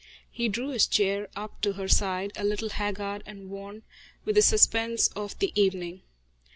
He drew his chair up to her side, a little haggard and worn with the suspense of the evening.